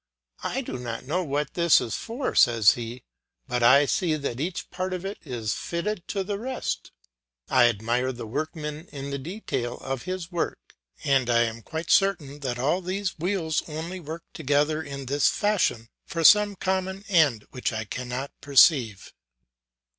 I do not know what this is for, says he, but I see that each part of it is fitted to the rest, I admire the workman in the details of his work, and I am quite certain that all these wheels only work together in this fashion for some common end which I cannot perceive.